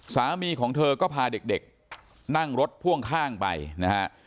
สามีของเธอก็พาเด็กนั่งรถพ่วงข้างไปนะฮะ